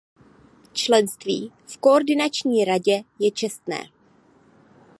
Členství v Koordinační radě je čestné.